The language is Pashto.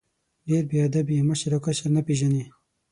ډېر بې ادب یې ، مشر او کشر نه پېژنې!